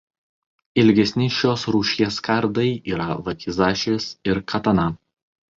Ilgesni šios rūšies kardai yra vakizašis ir katana.